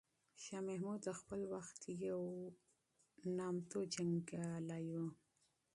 شاه محمود د خپل وخت یو بې مثاله جنګیالی و.